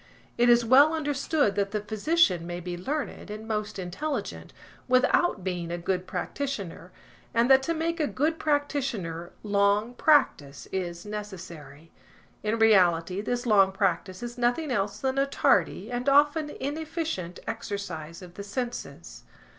It is well understood that the physician may be learned, and most intelligent, without being a good practitioner, and that to make a good practitioner long practice is necessary. In reality, this long practice is nothing else than a tardy, and often inefficient, exercise of the senses.